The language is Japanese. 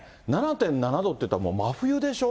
７．７度っていったらもう真冬でしょ。